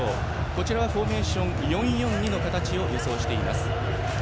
こちらはフォーメーション４−４−２の形を予想しています。